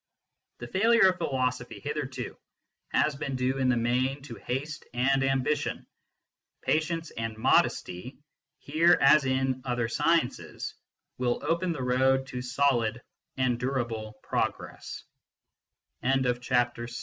The failure of philosophy hitherto has been due in the main to haste and ambition : patience and modesty, here as in other sciences, will open the road to solid and durable pro